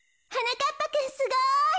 なかっぱくんすごい。